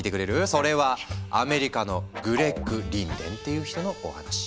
それはアメリカのグレッグ・リンデンっていう人のお話。